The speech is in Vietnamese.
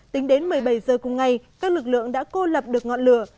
tính đến một mươi bảy h cùng ngày các lực lượng đã cô lập được ngọn lửa